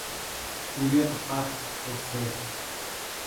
Jurhiata patʼii Jose.